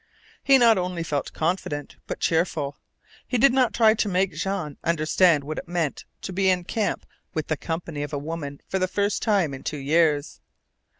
He not only felt confident, but cheerful. He did not try to make Jean understand what it meant to be in camp with the company of a woman for the first time in two years.